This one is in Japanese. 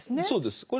そうです。